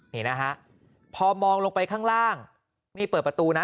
นี่นะฮะพอมองลงไปข้างล่างนี่เปิดประตูนะ